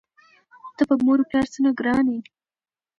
ته په مور و پلار څومره ګران یې؟!